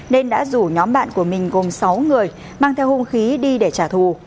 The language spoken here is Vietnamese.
nên đã rủ nhóm bạn của mình gồm sáu người mang theo hung khí đi để trả thù